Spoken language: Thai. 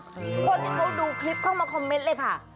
คนที่เขาดูคลิปเข้ามาคอมเมนต์เลยค่ะ